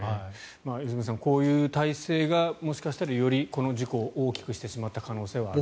良純さん、こういう体制がよりこの事故を大きくしてしまった可能性がある。